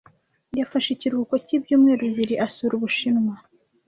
Yafashe ikiruhuko cyibyumweru bibiri asura Ubushinwa.